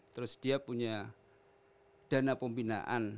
terus dia punya dana pembinaan